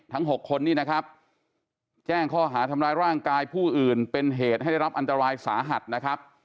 ๖คนนี้นะครับแจ้งข้อหาทำร้ายร่างกายผู้อื่นเป็นเหตุให้ได้รับอันตรายสาหัสนะครับ